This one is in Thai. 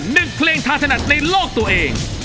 หนึ่งเพลงทาถนัดในโลกตัวเอง